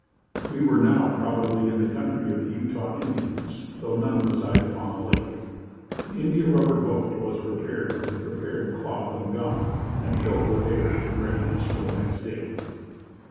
We were now probably in the country of the Utah Indians, though none reside upon the lake. The India rubber boat was repaired with prepared cloth and gum, and filled with air, in readiness for the next day.